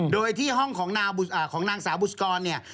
โดยที่ห้องของนางสาวบุษกรเนี่ย